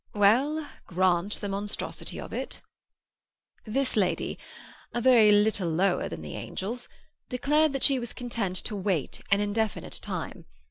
"Well, grant the monstrosity of it." "This lady—a very little lower than the angels—declared that she was content to wait an indefinite time.